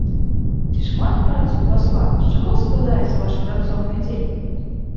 Ці шмат працы ў пасла, з чаго складаецца ваш працоўны дзень?